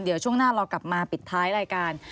เดี๋ยวช่วงหน้าเรากลับมาปิดท้ายรายการ